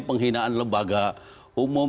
penghinaan lembaga umum